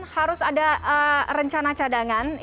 harus ada rencana cadangan